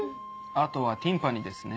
あとはティンパニですね。